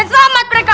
dan selamat mereka